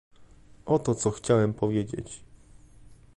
Oto co chciałem powiedzieć